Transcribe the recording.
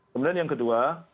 kemudian yang kedua